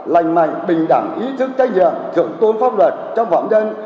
lành mạnh bình đẳng ý thức trách nhiệm thượng tôn pháp luật trong phạm nhân